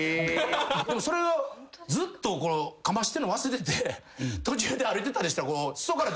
でもそれをずっとかましてんの忘れて途中で歩いてたりしたら。